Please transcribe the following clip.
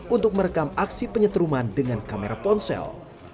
untuk merekam aksi penyetruman dengan kamera ponsel